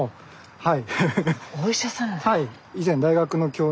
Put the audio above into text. はい。